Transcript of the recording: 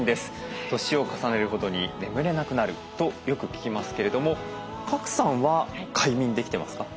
年を重ねるほどに眠れなくなるとよく聞きますけれども賀来さんは快眠できてますか？